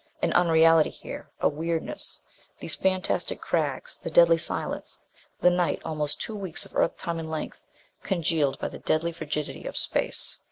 An unreality here. A weirdness. These fantastic crags. The deadly silence. The nights, almost two weeks of Earth time in length, congealed by the deadly frigidity of space.